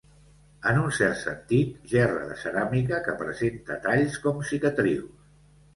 En un cert sentit, gerra de ceràmica que presenta talls com cicatrius.